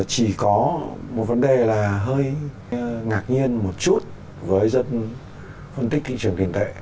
chỉ có một vấn đề là hơi ngạc nhiên một chút với dân phân tích thị trường tiền tệ